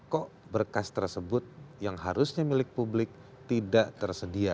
kok berkas tersebut yang harusnya milik publik tidak tersedia